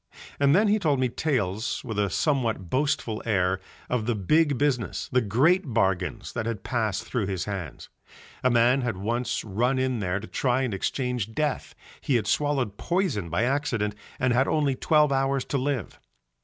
And then he told me tales with a somewhat boastful air of the big business, the great bargains that had passed through his hands. A man had once run in there to try and exchange death, he had swallowed poison by accident and had only twelve hours to live.